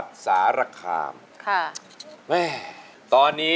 ทุกคนนี้ก็ส่งเสียงเชียร์ทางบ้านก็เชียร์